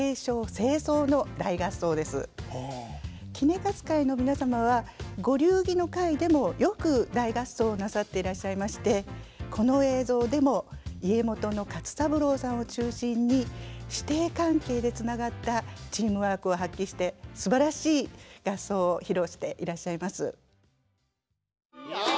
杵勝会の皆様はご流儀の会でもよく大合奏をなさっていらっしゃいましてこの映像でも家元の勝三郎さんを中心に師弟関係でつながったチームワークを発揮してすばらしい合奏を披露していらっしゃいます。